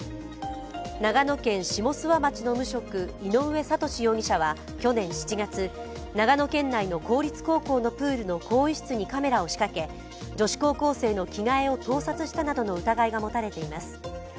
長野県下諏訪町の無職井上悟志容疑者は去年７月、長野県内の公立高校のプールの更衣室にカメラを仕掛け、女子高校生の着替えを盗撮したなどの疑いが持たれています。